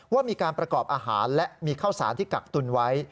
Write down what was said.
ว่ามีการประกอบอาหารและมีข้าวสารที่กักตุนไว้